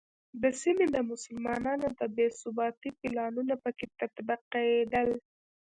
د سیمې د مسلمانانو د بې ثباتۍ پلانونه په کې تطبیقېدل.